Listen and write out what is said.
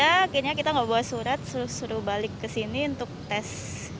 akhirnya kita nggak bawa surat suruh balik ke sini untuk tes